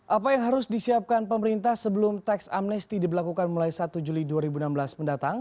apa yang harus disiapkan pemerintah sebelum teks amnesti diberlakukan mulai satu juli dua ribu enam belas mendatang